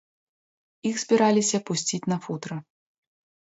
Іх збіраліся пусціць на футра.